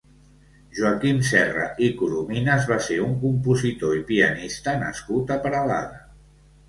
Joaquim Serra i Corominas va ser un compositor i pianista nascut a Peralada.